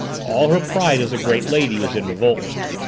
All her pride as a great lady was in revolt.